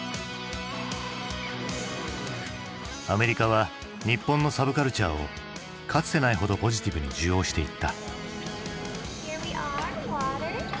アメリカは日本のサブカルチャーをかつてないほどポジティブに受容していった。